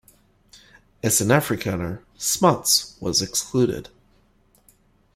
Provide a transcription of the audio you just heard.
As an Afrikaner, Smuts was excluded.